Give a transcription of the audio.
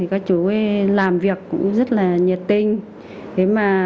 các chú làm việc cũng rất là nhiệt tình